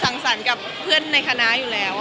สรรค์กับเพื่อนในคณะอยู่แล้ว